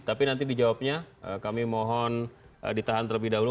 tapi nanti dijawabnya kami mohon ditahan terlebih dahulu